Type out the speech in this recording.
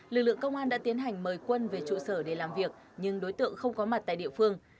lực lượng công an đã tiến hành mời quân về trụ sở để làm việc nhưng đối tượng không có mặt tại địa phương